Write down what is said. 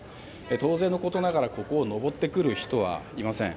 当然のことながらここを上ってくる人はいません。